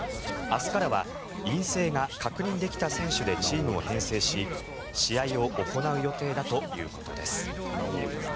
明日からは陰性が確認できた選手でチームを編成し試合を行う予定だということです。